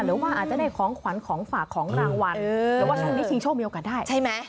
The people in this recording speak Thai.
หรือว่าอาจจะได้ของขวัญของฝากของรางวัลหรือว่าช่วงนี้ชิงโชคมีโอกาสได้ใช่ไหม